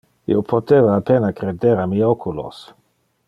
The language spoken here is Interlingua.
Io poteva a pena creder a mi oculos.